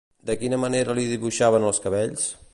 De quina manera li dibuixaven els cabells?